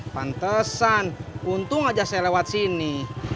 pantesan untung aja saya lewat sini